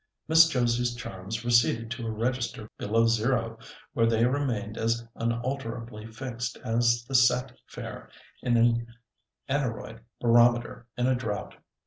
Miss Josie's charms receded to a register below zero, where they remained as unalterably fixed as the "set fair" in an aneroid barometer in a drought.